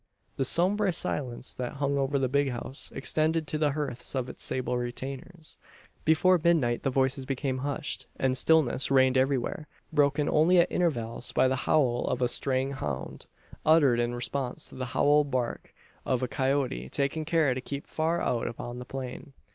The sombre silence that hung over the "big house" extended to the hearths of its sable retainers. Before midnight the voices became hushed, and stillness reigned everywhere; broken only at intervals by the howl of a straying hound uttered in response to the howl bark of a coyote taking care to keep far out upon the plain.